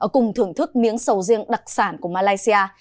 cùng thưởng thức miếng sầu riêng đặc sản của malaysia